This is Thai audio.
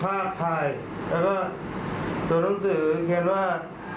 พากภายและส่วนหนังสือเขียนว่า